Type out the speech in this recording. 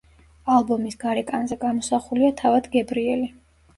ალბომის გარეკანზე გამოსახულია თავად გებრიელი.